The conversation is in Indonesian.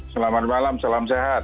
selamat malam salam sehat